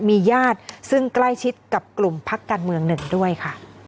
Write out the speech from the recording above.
มีญาติซึ่งใกล้ชิดกับกลุ่มพักการเมืองหนึ่งด้วยค่ะ